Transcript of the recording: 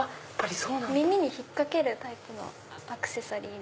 耳に引っ掛けるタイプのアクセサリー。